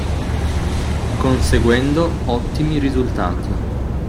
Conseguendo ottimi risultati.